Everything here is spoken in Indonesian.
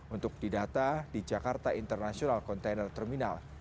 untuk didata di jakarta international container terminal